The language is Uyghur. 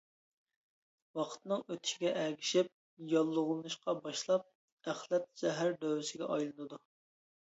ۋاقىتنىڭ ئۆتۈشىگە ئەگىشىپ، ياللۇغلىنىشقا باشلاپ، ئەخلەت زەھەر دۆۋىسىگە ئايلىنىدۇ.